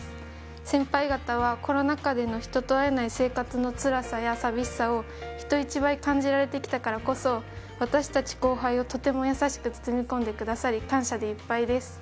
先輩方はコロナ禍での人と会えないつらさや寂しさを人一倍感じられてきたからこそ私たち後輩をとても優しく包み込んでくださり感謝でいっぱいです。